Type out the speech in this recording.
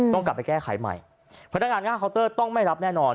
ต้องกลับไปแก้ไขใหม่พนักงานหน้าเคาน์เตอร์ต้องไม่รับแน่นอน